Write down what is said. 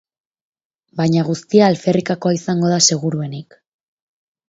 Baina guztia alferrikakoa izango da seguruenik.